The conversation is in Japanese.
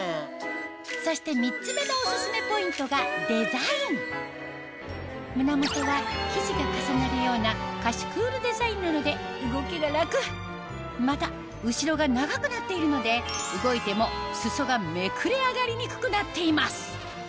そして３つ目のオススメポイントがデザイン胸元は生地が重なるようなまた後ろが長くなっているので動いても裾がめくれ上がりにくくなっています